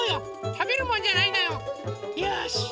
たべるもんじゃないんだよ。よし！